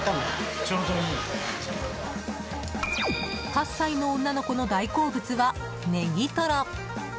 ８歳の女の子の大好物はネギトロ。